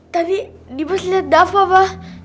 tadi dimas liat dafa pa